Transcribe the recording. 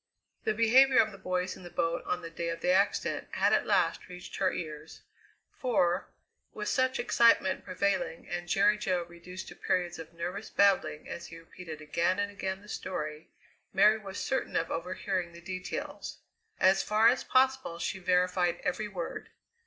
The behaviour of the boys in the boat on the day of the accident had at last reached her ears, for, with such excitement prevailing and Jerry Jo reduced to periods of nervous babbling as he repeated again and again the story, Mary was certain of overhearing the details. As far as possible she verified every word.